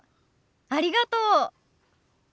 ありがとう。